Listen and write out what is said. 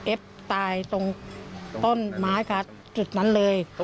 เอ็บตายตรงต้นไม้ขาดจุดนั้นเลย